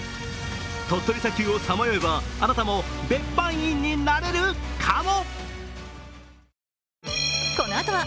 鳥取砂丘をさまよえばあなたも別班員になれるかも。